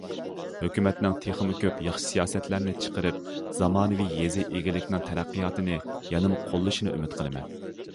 ھۆكۈمەتنىڭ تېخىمۇ كۆپ ياخشى سىياسەتلەرنى چىقىرىپ، زامانىۋى يېزا ئىگىلىكنىڭ تەرەققىياتىنى يەنىمۇ قوللىشىنى ئۈمىد قىلىمەن.